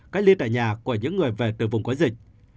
cách ly tại nhà của những người về từ vùng có dịch